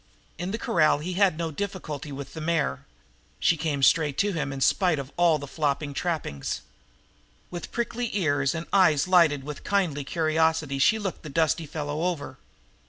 In the corral he had no difficulty with the mare. She came straight to him in spite of all the flopping trappings. With prickly ears and eyes lighted with kindly curiosity she looked the dusty fellow over.